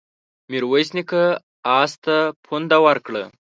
ميرويس نيکه آس ته پونده ورکړه.